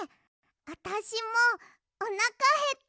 あたしもおなかへった！